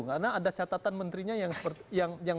karena ada catatan menterinya yang